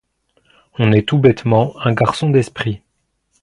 On est tout bêtement un garçon d'esprit.